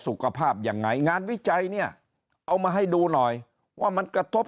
สุขภาพยังไงงานวิจัยเนี่ยเอามาให้ดูหน่อยว่ามันกระทบ